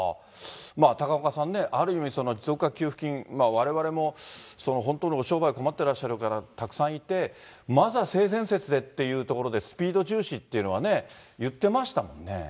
まあ、高岡さんね、ある意味、持続化給付金、われわれも本当に商売困ってらっしゃる方、たくさんいて、まずは性善説でっていうところで、スピード重視っていうのはね、言ってましたもんね。